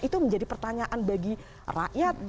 itu menjadi pertanyaan bagi rakyat